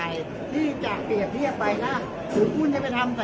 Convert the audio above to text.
อันนี้คือ๑จานที่คุณคุณค่อยอยู่ด้านข้างข้างนั้น